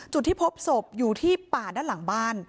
จุดที่พบศพอยู่ที่ป่าด้านหลังบ้าน